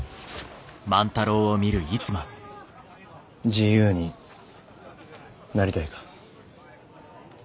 自由になりたいか？